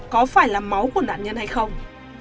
có phải là máu của nạn nhân hay không